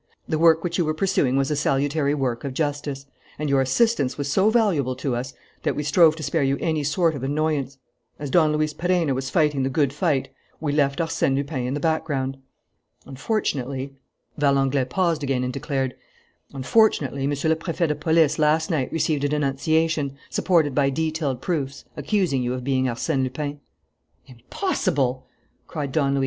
The work which you were pursuing was a salutary work of justice; and your assistance was so valuable to us that we strove to spare you any sort of annoyance. As Don Luis Perenna was fighting the good fight, we left Arsène Lupin in the background. Unfortunately " Valenglay paused again and declared: "Unfortunately, Monsieur le Préfet de Police last night received a denunciation, supported by detailed proofs, accusing you of being Arsène Lupin." "Impossible!" cried Don Luis.